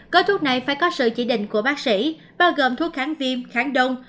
gói thuốc b gồm thuốc kháng viêm kháng đông